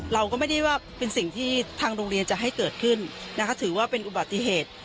เราก็ไม่ได้ว่าเป็นสิ่งที่ทางโรงเรียนจะให้เกิดขึ้นนะคะถือว่าเป็นอุบัติเหตุ